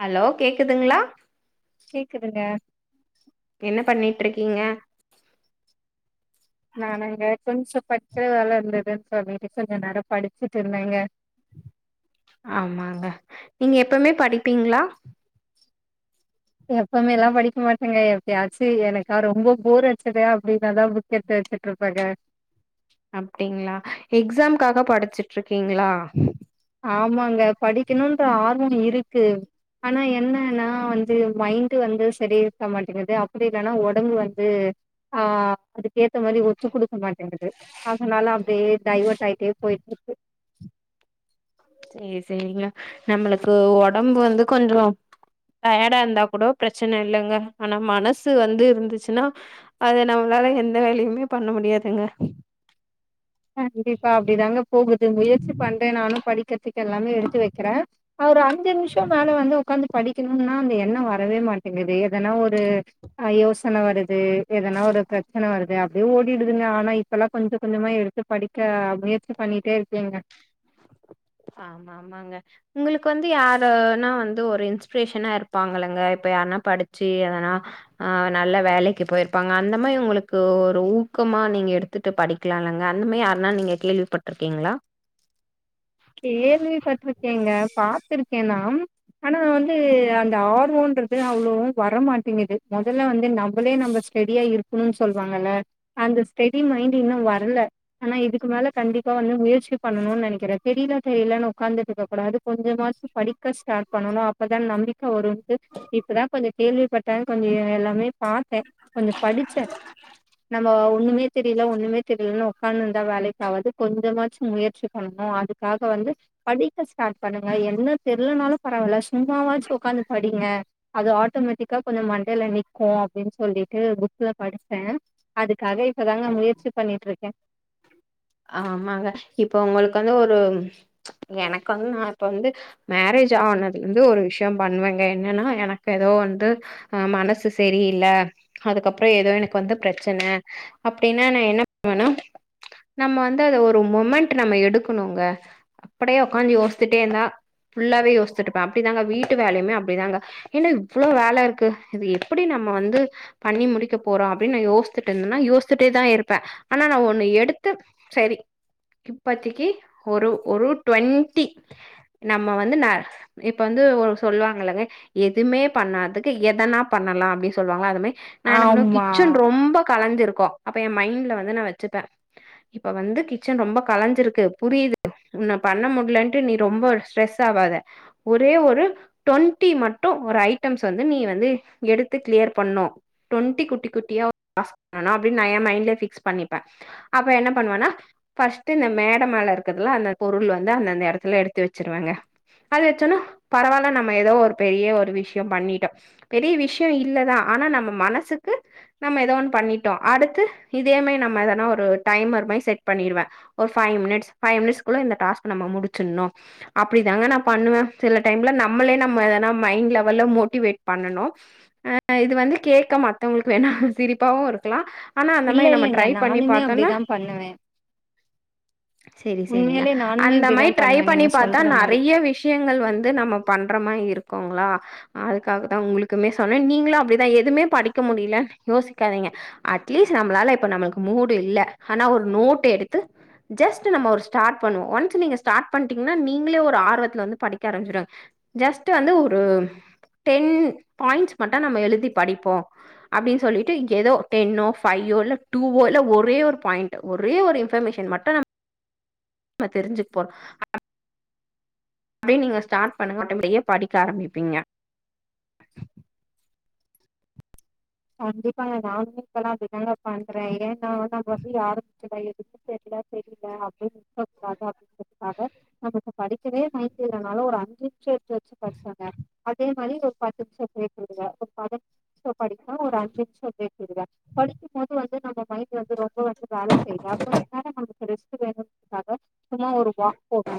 Hello கேக்குதுங்களா கேக்குதுங்க என்ன பண்ணிட்டு இருக்கீங்க நானுங்க கொஞ்சோ படிக்கிற வேல இருந்ததுன்னு சொல்லிட்டு கொஞ்சோ நேரம் படிச்சுட்டு இருந்தேங்க ஆமாங்க நீங்க எப்பமே படிப்பீங்களா எப்பவுமே எல்லா படிக்க மாட்டேங்க எப்படியாச்சு எனக்கா ரொம்ப போர் வச்சது அப்படின்னாதா புக் எடுத்து வச்சுட்டு இருப்பாங்க அப்டிங்களா எக்ஸாம்காக படிச்சிட் இருக்கீங்களா ஆமாங்க படிக்கணுன்ற ஆர்வ இ இருக்கு ஆனா என்னன்னா வந்து மைண்டு வந்து சேரி இருக்க மாட்டேங்குது அப்படி இல்லைன்னா உடம்பு வந்து ஆ அதுக்கு ஏத்த மாரி ஒத்து குடுக்க மாட்டேங்குது அதனால அப்படியே டைவேர்ட் ஆயிட்டே போயிட்டு இருக்கு சேரி சேரிங்க நம்மளுக்கு உடம்பு வந்து கொஞ்சோ டயர்டா இருந்தா கூட பிரச்சன இல்லைங்க ஆனா மனசு வந்து இருந்துச்சுன்னா அத நம்மளால எந்த வேலையுமே பண்ண முடியாதுங்க கண்டிப்பா அப்படி தாங்க போகுது முயற்சி பண்றே நானு படிக்கத்துக்கு எல்லாமே எடுத்து வைக்கிறே அ ஒரு அஞ்சு நிமிஷ மேல வந்து உட்காந்து படிக்கணும்னா அந்த எண்ண வரவே மாட்டேங்குது எதனா ஒரு யோசன வருது எதனா ஒரு பிரச்சன வருது அப்படியே ஓடிடுதுங்க ஆனா இப்பல்லா கொஞ்சோ கொஞ்சமா இரு படிக்க முயற்சி பண்ணிட்டே இருக்கீங்க ஆமா ஆமாங்க உங்களுக்கு வந்து யாருன்னா வந்து ஒரு இன்ஸ்பிரேஷனா இருப்பாங்கல்லலைங்க இப்ப யாருன்னா படிச்சு அதனா ஆ நல்ல வேலைக்கு போயிருப்பாங்க அந்த மாரி உங்களுக்கு ஒரு ஊக்கமா நீங்க எடுத்துட்டு படிக்கலாம்ங்க அந்த மாரி யாருனா நீங்க கேள்விப்பட்டிருக்கீங்களா கேள்வி பட்டிருக்கேங்க பாத்துருக்கே நாம் ஆனா வந்து அந்த அ ன்றது அவ்வளோ வர மாட்டேங்குது முதல்ல வந்து நம் நம்பள நம்ப ஸ்டடியா இருக்கும் சொல்லுவாங்கள அந்த ஸ்டடி மைண்டு இன்னு வரல ஆனா இதுக்கு மேல கண்டிப்பா வந்து முயற்சி பண்ணணும்னு நினைக்கிற தெரியல தெரியலனு உ்காந்துட்டு இருக்க கூடாது கொஞ்சமாச்சும் படிக்க ஸ்டார்ட் பண்ணணு அப்போதா நம்பிக்கை வரு இப்போதா கொஞ்சோ கேள்விப்பட்டாங்க கொஞ்சோ எல்லாமே பார்த்தே கொஞ்சோ படிச்சே நம்ம ஒண்ணுமே மே தெரியல ஒண்ணமே தெரியலனு உக்கான் த வேலைக்காவது கொஞ்சமாசு முயற்சி பண்ணு அது க்க வந்து படிக்க ஸ்டார்ட் பண்ணுங்க என்ன தெரியலனாலு பரவால சும்மாவாச்சி ஓக்காந்து ப அப்படிங்க அது ஆட்டோமேட்டிக்கா கொஞ்சோ மண்டையில நிக்கு அப்படனு சொல்லிட்டு புக்ல படிச்சே அதுக்காக இப்பதாங்க முயற்சி பண்ணட்டு இருக்கே ஆமாங்க இப்ப உங்களுக்கு வந்து ஒரு எனக்கு வந்து நா இப்ப வந்து மேரேஜ் ஆனதிலிர்ந்து ஒரு விஷயோ பண்ணுவேங்க என்னன்னா எனக்கு ஏதோ வந்து ஆ மனசு செரியில்ல அதுக்கப்புற ஏதோ எனக்கு வந்து பிரச்சன அப்டின்னா நா என்ன பண்ணுவேன்னா நம்ம வந்து அத ஒரு மொமெண்ட் நம்ம எடுக்கணுங்க அப்படியே உக்காந்து யோசிச்சுட்டே இருந்தா ஃபுல்லாவே யோசிச்சிட்ருப்பே அப்டிதாங்க வீட்டு வேலையுமே அப்டிதாங்க என்ன இவ்ளோ வேல இருக்கு இது எப்பிடி நம்ம வந்து பண்ணி முடிக்க போறோ அப்டின்னு நா யோசிச்சிட்ருந்தன்னா யோசிச்சுட்டேதா இருப்பே ஆனா நா ஒண்ணு எடு த்து சரி இப்பத்தக்கி ஒரு ஒரு டுவெண்டி நம்ம வந்து ந இப்ப வந்து ஒரு சொல்லுவாங்கல்லங்க எதுமே பண்ணாதுக்கு எதனா பண்ணலா அப்டி சொல்வாங்கல்ல அது மாரி நா என்ன பண்ணுவே ஆமா கிச்சன் ரொம்ப கலஞ்சிருக் கு அப்ப ஏன் மைண்ட்ல வந்து நா வச்சுப்பே இப்ப வந்து கிச்சன் ரொம்ப கலஞ்சிருக்கு புரியுது உன்ன பண்ண முடியலன்ட்டு நீ ரொம்ப ஸ்ட்ரெஸ் ஆவாத ஒரே ஒரு டுவெண்ட்டி மட்டு ஒரு ஐட்டம்ஸ் வந்து நீ வந்து எடுத்து கிளியர் பண்ணணு டுவெண்ட்டி குட்டி குட்டியா [inaudible] பண்ணனு அப்டின் நா என் மைண்ட்லயே ஃபிக்ஸ் பண்ணிப்பே அப்ப என்ன பண்ணுவேன்னா ஃபஸ்ட்டு இந்த மேட மேல இருக்குதுல்ல அந்த பொருள் வந்து அந்தந்த எடத்துல எடுத்து வச்சிருவங்க. அது வச்சவுன்னே பரவால்ல நம்ம எதோ ஒரு பெரிய ஒரு விஷயோ பண்ணிட்டோ பெரிய விஷயோ இல்லதா ஆனா நம்ம மனசுக்கு நம்ம ஏதோ ஒன்னு பண்ணிட்டோ அடுத்து இதே மாரி நம்ம எதனா ஒரு டைமர் மாரி செட் பண்ணிருவே ஒரு ஃபைவ் மினிட்ஸ் ஃபைவ் மினிட்ஸ்குள்ள இந்த டாஸ்க் நம்ம முடிச்சிடணு அப்டிதாங்க நா பண்ணுவே சில டைம்ல நம்மளே நம்மள மைண்ட் லெவல்ல மோட்டிவேட் பண்ணனு ஆ இது வந்து கேக்க மத்தவங்களுக்கு வேண்ணா சிரிப்பாவு இருக்கலா ஆனா அந்த இல்ல மாரி நம்ம இல்லங்க ட்ரை பண்ணி நானுமே பாத்தன்னா அப்டிதா பண்ணுவே செரி செரிங்க உண்மையாலே நானுமே அந்த இப்டிதா மாரி ட்ரை பண்ணுவே பண்ணி நீங்க பாத்தா சொல்ற மாரி நெறைய விஷயங்கள் வந்து நம்ம பண்ற மாரி இருக்குங்களா அதுக்காகதா உங்களுக்குமே சொன்னே நீங்களு அப்டிதா எதுமே படிக்க முடியல யோசிக்காதீங்க அட்லீஸ் நம்மளால இப்ப நம்மளுக்கு மூடு இல்ல ஆனா ஒரு நோட் எடுத்து ஜஸ்ட் நம்ம ஒரு ஸ்டார்ட் பண்ணுவோ ஒன்ஸ் நீங்க ஸ்டார்ட் பண்ட்டீங்கன்னா நீங்களே ஒரு ஆர்வத்துல வந்து படிக்க ஆரம்பிச்சிருவீங்க ஜஸ்ட் வந்து ஒரு டென் பாய்ண்ட்ஸ் மட்டு நம்ம எழுதி படிப்போ அப்டின்னு சொல்லிட்டு இங்க எதோ டென்னோ ஃபையோ இல்ல டூவோ இல்ல ஒரே ஒரு பாயிண்ட் ஒரே ஒரு இன்ஃபர்மேஷன் மட்டு நம்ம தெரிஞ்சுக்க போறோ [inaudible] அப்டின்னு நீங்க ஸ்டார்ட் பண்ணுங்க ஆட்டோமேட்டிக்கா படிக்க ஆரம்பிப்பீங்க. கண்டிப்பாங்க நானுமே இப்பல்லா அப்டிதாங்க பண்றே ஏன்னா [inaudible] எதுமே தெரியல தெரியல அப்டின்னு [inaudible] க்காக நமக்கு படிக்கவே மைண்ட் இல்லனாலு ஒரு அஞ்சு நிமிஷோ எப்டியாச்சு படிப்பேங்க அதே படில உக்காந்து அஞ்சு நிமிஷோ பிரேக் விடுவே [inaudible] சோ படி சோ ஒரு அஞ்சு நிமிஷோ பிரேக் விடுவே படிக்கும் போது வந்து நம்ம மைண்ட் வந்து ரொம்ப வந்து வேல செய்யு அப்ப [inaudible] ரெஸ்ட் வேணுங்கறதுக்காக சும்மா ஒரு வாக் போவே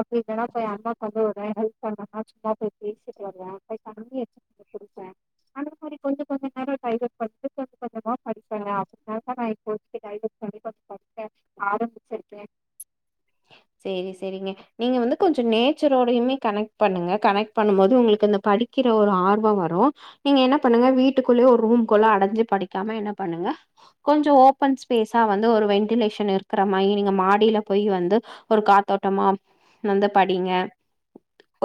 அப்டி இல்லனா போய் அம்மாக்கு வந்து ஒரு எதா ஹெல்ப் பண்ணணுனா சும்மா போய் பேசிட்டு வருவே போய் தண்ணி எட்த்து குடிப்பே அந்த மாரி கொஞ்ச கொஞ்ச நேரோ டைவர்ட் பண்ட்டு கொஞ்ச கொஞ்சமா படிப்பே நா அந்தமாரிதா நா இப்போ டைவர்ட் பண்ணி கொஞ்ச படிக்க ஆரம்பிச்சிருக்கே செரி செரிங்க நீங்க வந்து கொஞ்ச நேச்சரோடையுமே கனெக்ட் பண்ணுங்க கனெக்ட் பண்ணும் போது உங்களுக்கு வந்து படிக்கிற ஒரு ஆர்வோ வரு நீங்க என்ன பண்ணுங்க வீட்டுக்குள்ளயே ஒரு ரூம்குள்ள அடைஞ்சு படிக்காம என்ன பண்ணுங்க கொஞ்ச ஓபன் ஸ்பேஸா வந்து ஒரு வென்டிலேஷன் இருக்கிற மாரி நீங்க மாடியில போய் வந்து ஒரு காத்தோட்டமா வந்து படிங்க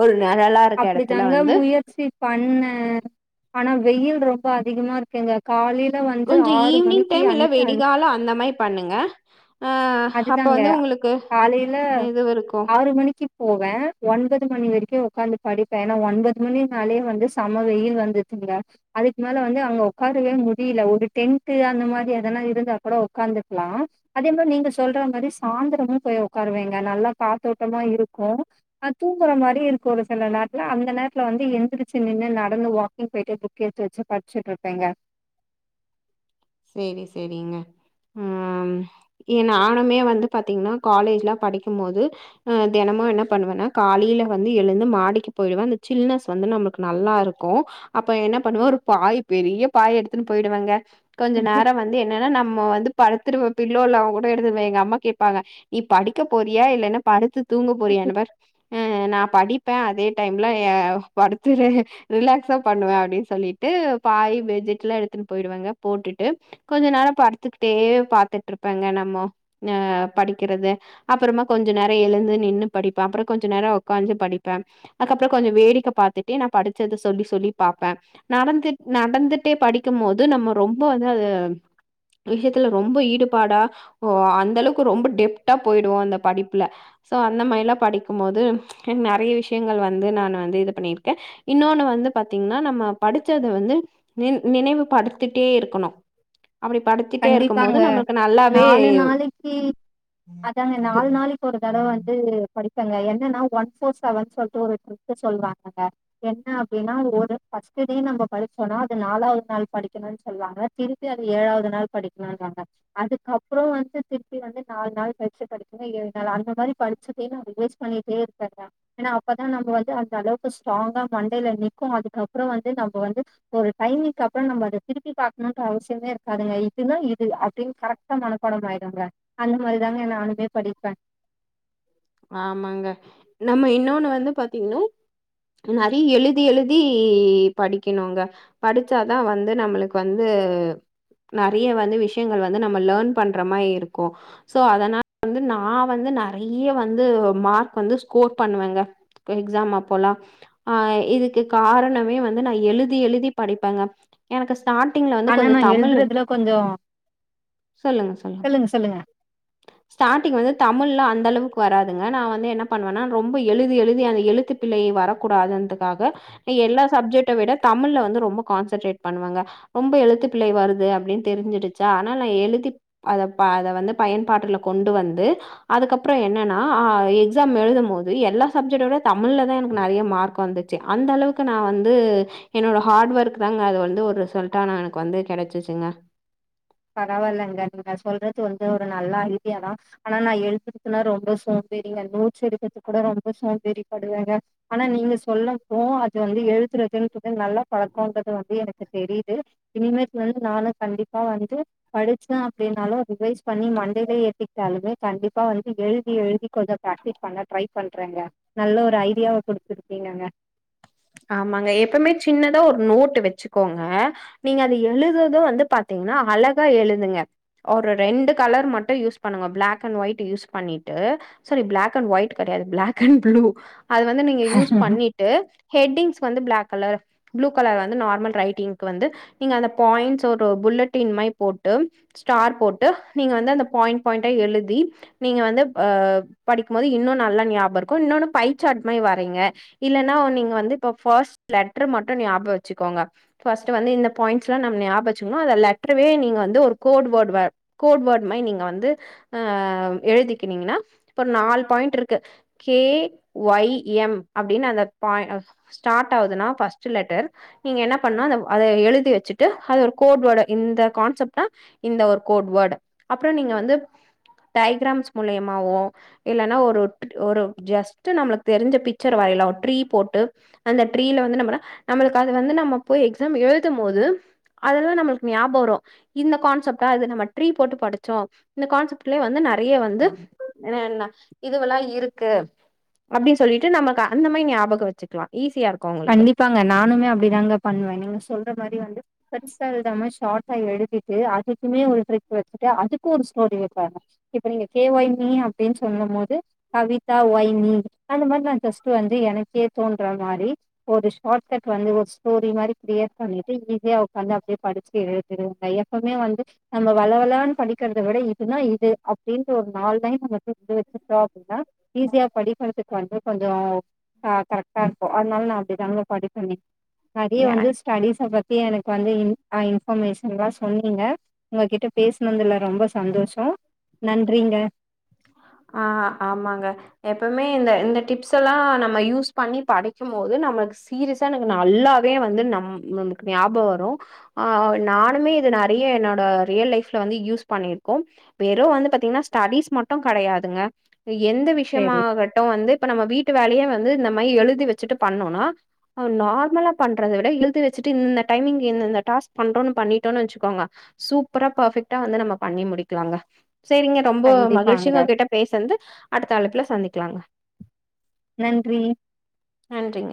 ஒரு நெழலா இருக்க எடத்துல அப்பிடிதாங்க வந்து முயற்சி பண்ணே ஆனா வெயில் ரொம்ப அதிகமா இருக்குங்க காலை கொஞ்ச ஈவி்னிங் டைம் இல்ல வெடிகால அந்த மாரி பண்ணுங்க ஆ அப்ப அதுதாங்க வந்து உங்களுக்கு காலைல இதுவு இருக்கு ஆறு மணிக்கு போவே ஒன்பது மணி வரைக்கு உக்காந்து படிப்பே ஏன்னா ஒன்பது மணினாலே வந்து செம வெயில் வந்துடுங்க அதுக்கு மேல வந்து அங்க உக்காரவே முடியல ஒரு டென்ட்டு அந்த மாரி எதனா இருந்தா கூட உக்காந்துக்கலா அதே மாரி நீங்க சொல்ற மாரி சாயந்திரமு போய் உக்காருவேங்க நல்லா காத்தோட்டமா இருக்கு ஆ தூங்குற மாரி இருக்கு ஒரு சில நேரத்துல அந்த நேரத்துல வந்து எந்திரிச்சு நின்னு நடந்து வாக்கிங் போயிட்டு புக் எடுத்து வச்சு படிச்சுட்டு இருப்பேங்க செரி செரிங்க ம் எ நானுமே வந்து பாத்தீங்கன்னா காலேஜ்லா படிக்கும் போது ஆ தெனமு என்ன பண்ணுவேன்னா காலைல வந்து எழுந்து மாடிக்கு போயிடுவே அந்த சில்னஸ் வந்து நமக்கு நல்லா இருக்கு அப்ப என்ன பண்ணுவே ஒரு பாய் பெரிய பாய் எடுத்துனு போயிடுவங்க கொஞ்ச நேர வந்து என்னனா நம்ம வந்து படுத்துருவே பில்லோ எல்லா கூட எடுத்துப்ப எங்க அம்மா கேப்பாங்க நீ படிக்க போறியா இல்லன்னா படுத்து தூங்கபோறியானுதா ஆ நா படிப்பே அதே டைம்ல ஏ படுத்து ரிலாக்ஸா பண்ணுவே அப்டின் சொல்லிட்டு பாயி பெட்ஜிட்லா எடுத்துட்டு போயிடுவெங்க போட்டுட்டு கொஞ்ச நேர படுத்துக்கிட்டே பாத்துட்ருப்பேங்க நம்ம ஆ படிக்கிறத அப்புறமா கொஞ்ச நேர எழுந்து நின்னு படிப்பே அப்ற கொஞ்ச நேர உக்காஞ்சு படிப்பே அதுக்கப்ற கொஞ்ச வேடிக்க பாத்துட்டே நா படிச்சத சொல்லி சொல்லி பாப்பே நடந்து நடந்துட்டே படிக்கும்மோது நம்ம ரொம் ப அதாது ஒரு விஷ்யத்துல ரொம்ப ஈடுபாடா ஒ அந்தளவ்க்கு ரொம்ப டெப்த்தா போயிடுவோ அந்த படிப்புல சோ அந்த மாரிலா படிக்கும்மோது நெறைய விஷ்யங்கள் வந்து நான் வந்து இது பண்ணிருக்கே இன்னோனு வந்து பாத்தீங்னா நம்ம படிச்சத வந்து நி‌ நினைவு படுத்தி ட்டே இருக்கனு கண்டிப்பாங்க நாலு நாளைக்கி அதாங்க இது- நாலு நாளைக்கி ஒரு தடவ வந்து படிப்பேங்க என்னனா ஒன் ஃபோர் செவன் சொல்ட்டு ஒரு ட்ரிக்கு சொல்வாங்கங்க என்ன அப்டின்னா ஒரு ஃபர்ஸ்ட்டு டே நம்ப படுச்சோனா அது நாலாவது நாள் படிக்கணுன் சொல்வாங்க திருப்பி அத ஏழாவ்து நாள் படிக்கணுன்னாங்க அதுக்கப்றொ வந்து திருப்பி வந்து நாலு நாள் கழிச்சி படிக்கணு ஏழு நாள் அந்த மாரி படிச்சதே நா ரிவைஸ் பண்ணிட்டே இருப்பேங்க ஏனா அப்பதா நம்ம வந்து அந்த அளவுக்கு ஸ்ட்ராங்கா மண்டைல நிக்கு அதுக்கப்ற வந்து நம்ம வந்து ஒரு டைமிங்கப்றொ நம்ம அத திருப்பி பாக்கணுன்ட்டு அவசியமே இருக்காதுங்க இதுதா இது அப்டின் கரெக்டா மனப்பாடம் ஆயிடுங்க அந்த மாரிதாங்க நானுமே படிப்பே ஆமாங்க நம்ம இன்னோன்னு வந்து பாத்தீங்னா நறை எழுதி எழுதி படிக்கணுங்க படிச்சாதா வந்து நம்மளுக்கு வந்து நறைய வந்து விஷயங்கள் வந்து நம்ம லேர்ன் பண்ற மாரி இருக்கு சோ அதனால வந்து நா வந்து நறை ய வந்து மார்க் வந்து ஸ்கோர் பண்ணுவெங்க எக்ஸாம் அப்பல்லா ஆ இதுக்கு காரணமே வந்து நா எழுதி எழுதி படிப்பேங்க எனக்கு ஸ்டார்டிங்ல வந்து ஆனா கொஞ்ச நா தமிழ் எழுதுறதுல கொஞ்சோ சொல்லுங்க சொல்லுங்க ஸ்டார்டிங் வந்து தமிழ்ல அந்த அளவு வராதுங்க நா வந்து என்ன பண்ணுவன்னா ரொம்ப எழுதி எழுதி அந்த எழுத்து பிழை வரக்கூடாதுன்றக்காக எல்லா சப்ஜெக்ட விட தமிழ்ல வந்து ரொம்ப கான்சன்ட்ரேட் பண்ணுவெங்க ரொம்ப எழுத்து பிழை வருது அப்டின் தெருஞ்சிடுச்சா ஆனா நா எழுதி அத ப அத வந்து பயன்பாட்டுல கொண்டு வந்து அதுக்கப்றொ என்ன னா ஆ எக்ஸாம் எழுதும் போது எல்லா சப்ஜெக்ட விட தமிழ்லதா எனக்கு நறைய மார்க் வந்துச்சு அந்த அளவுக்கு நா வந்து என்னோட ஹார்ட் ஒர்க் தாங்க அது வந்து ஒரு ரிசல்ட்டா எனக்கு வந்து கெடச்சிச்சுங்க பரவால்லங்க நீங்க சொல்றது வந்து ஒரு நல்ல ஐடியா தா ஆனா நா எழுதுறதுல ரொம்ப சோம்பேறிங்க நோட்ஸ் எடுக்கற்துக் கூட ரொம்ப சோம்பேறிப்படுவேங்க ஆனா நீங்க சொல்லப்போ அது வந்து எழுதுறதுன்றது நல்லா பழக்கொன்றது வந்து எனக்கு தெரியிது இனிமேட்டு வந்து நானு கண்டிப்பா வந் து படிச்சே அப்டின்னாலு ரிவைஸ் பண்ணி மண்டைல ஏத்திக்டாலுமே கண்டிப்பா வந்து எழுதி எழுதி கொஞ்ச பிராக்டிஸ் பண்ண ட்ரை பண்றேங்க நல்ல ஒரு ஐடியாவ குடுத்துருக்கீங்கங்க ஆமாங்க எப்பமே சின்னதா ஒரு நோட்டு வச்சுக்கோங்க நீங்க அது எழுதுறதே வந்து பாத்தீங்னா அழகா எழுதுங்க ஒரு ரெண்டு கலர் மட்டு யூஸ் பண்ணுங்க பிளாக் அண்ட் ஒயிட் யூஸ் பண்ணிட்டு சாரி பிளாக் அண்ட் ஒயிட்டு கெடையாது பிளாக் அண்ட் ப்ளூ அது வந்து நீங்க யூஸ் பண்ணிட்டு ஹெட்டிங்ஸ் வந்து பிளாக் கலர் ப்ளு கலர் வந்து நார்மல் ரைட்டிங்க்கு வந்து நீங்க அந்த பாய்ண்ட்ஸ் ஒரு புல்லட்டின் மாரி போட்டு ஸ்டார் போட்டு நீங்க வந்து அந்த பாய்ன்ட் பாய்ன்ட்டா எழுதி நீங்க வந்து ஆ படிக்கும்மோது இன்னு நல்லா ஞாப இருக்கு இன்னொன்னு பை சாட் மாரி வரைங்க இல்லன்னா நீங்க வந்து இப்ப ஃபர்ஸ்ட் லெட்ரு மட்டு ஞாபக வச்சுக்கோங்க ஃபஸ்ட்டு வந்து இந்த பாயிண்ட்ஸ்லா நம் ஞாப வச்சுக்கனு இந்த லெட்ரவே நீங்க வந்து ஒரு கோட் வேடு வ கோட் வேட் மாரி நீங்க வந்து ஆ எழுதிக்கினிங்கனா இப்ப நாலு பாயிண்ட்ருக்கு கே ஒய் எம் அப்டின்னு அந்த பா அ ஸ்டார்ட் ஆகுதுனா ஃபர்ஸ்ட்டு லெட்டர் நீங்க என்ன பண்ணு அத அத எழுதி வச்சுட்டு அது ஒரு கோட்வேடு இந்த கான்செப்ட்னா இந்த ஒரு கோட்வேட் அப்றொ நீங்க வந்து டய்கிராம்ஸ் மூலியமாவு இல்லன்னா ஒரு ஒரு ஜஸ்ட்டு நம்மளுக் தெருஞ்ச பிக்சர் வரையலா ட்ரீ போட்டு அந்த ட்ரீல வந்து நம்மனா நம்மளுக் அது வந்து நம்ம போய் எக்ஸாம் எழுதும்மோது அதெல்லா நம்ளுக்கு ஞாபக வரு இந்த கான்செப்டா இது நம்ம ட்ரீ போட்டு படுச்சோ இந்த கான்செப்ட்லயே வந்து நறைய வந்து ன இதுவல்லா இருக்கு அப்டி சொல்லிட்டு நமக்கு அந்த மாரி ஞாபக வச்சுக்லா கண்டிப்பாங்க நானுமே அப்டிதாங்க பண்ணுவே நீங்க சொல்ற மாரி வந்து பெருசா எழுதாம ஷார்டா எழுதிட்டு அதுக்குமே ஒன்னு போட்டு வச்சுட்டு அதுக்கு ஒரு ஸ்டோரி வப்பாங்க இப்ப நீங்க கே ஒய் மி அப்டின் சொல்லும்மோது கவிதா ஒய் மி அந்த மாரி நா ஜஸ்ட்டு வந்து எனக்கே தோன்ற மாரி ஒரு ஷார்ட் கட் வந்து ஒரு ஸ்டோரி மாரி கிரியேட் பண்ணிட்டு ஈஸியா உக்காந்து அப்டியே படிச்சு எழுதிடுவேங்க எப்பவ்மே வந்து நம்ம வழவழான் படிக்கிறத விட இதுனா இது அப்டின்ட்டு ஒரு நாலு லைன் நம்ம புருஞ்சு வச்சுட்டோ அப்டின்னா ஈஸியா படிக்கற்துக்கு வந்து கொஞ்சோ ஆ கரெக்டா இருக்கு அதுனால நா இப்டி தாங்க படிப்பனே நெறைய வந்து ஸ்டடிஸ பத்தி எனக் கு வந்து ஆ இன்ஃபர்மேஷன்லா சொன்னீங்க உங்ககிட்ட பேசுனதுல ரொம்ப சந்தோஷொ நன்றிங்க அ ஆமாங்க எப்பமே இந்த இந்த டிப்ஸ் எல்லா நம்ம யூஸ் பண்ணி படிக்கும் போது நம்மளுக் சீரியஸா எனக்கு நல்லாவே வந்து நம் நமக்கு ஞாப வரு ஆ நானுமே இது நெறைய என்னோட ரியல் லைஃப்ல வந்து யூஸ் பண்ணிருக்கோ வெறு வந்து பாத்தீங்னா ஸ்டடீஸ் மட் டு கடையாதுங்க எந்த சேரி விஷ்யமாகட்டு வந்து இப்ப நம்ம வீட்டு வேலையே வ ந்து இந்த மாரி எழுதி வச்சுட்டு பண்ணோனா நார்மலா பண்றத விட எழுதி வச்சிட்டு இந்த டைமிங் இந்தந்த டாஸ்க் பண்றோனு பண்ணிட்டோன் வச்சுக்கோங்க சூப்பரா பர்ஃபெக்ட்டா வந்து நம்ம பண்ணி முடிக்கலாங்க சேரிங்க ரொம்ப மகிழ்ச்சி கண்டிப்பாங்க உங்க கிட்ட பேசன்து அடுத்த அழைப்புல சந்தி [unintelligible] நன்றி நன்றிங்க